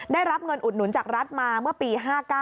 ได้รับเงินอุดหนุนจากรัฐมาเมื่อปี๕๙